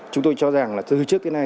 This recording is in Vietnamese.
chúng tôi cho rằng là từ trước tới nay